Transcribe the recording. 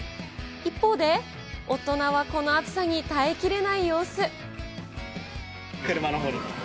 一方で大人はこの暑さに耐えきれ車のほうに。